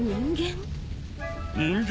人間？